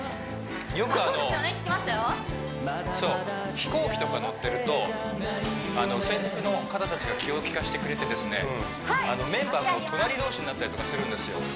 飛行機とか乗ってると気を利かせてくれてですねメンバーが隣同士になったりとかするんですよ